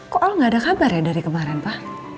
kok al gak ada kabar ya dari kemarin pa